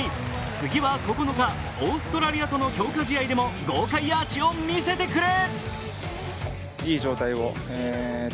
次は９日、オーストラリアとの強化試合でも豪快アーチを見せてくれ！